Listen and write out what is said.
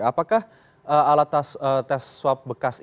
apakah alat swab tes bekas ini